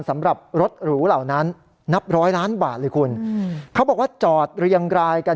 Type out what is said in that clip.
สำหรับรถหรูเหล่านั้นนับร้อยล้านบาทเลยคุณเขาบอกว่าจอดเรียงรายกัน